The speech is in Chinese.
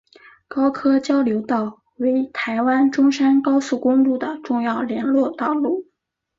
高科交流道为台湾中山高速公路的重要联络道路。